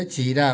các bộ chính trị